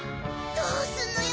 ・どうすんのよ？